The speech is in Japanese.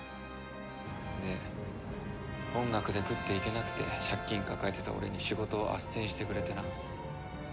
で音楽で食っていけなくて借金抱えてた俺に仕事を斡旋してくれてな。